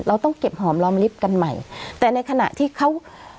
เราต้องเก็บหอมล้อมลิฟต์กันใหม่แต่ในขณะที่เขา